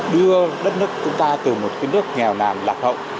đưa đất nước chúng ta từ một cái nước nghèo nàn lạc hậu